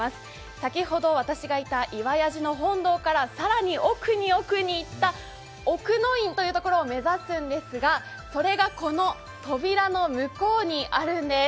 先ほど私がいた岩屋寺の本堂から更におくに奥に行った奥の院というところを目指すんですが、それがこの扉の向こうにあるんです。